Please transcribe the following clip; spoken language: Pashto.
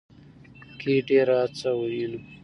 کې ډېره هڅه وينو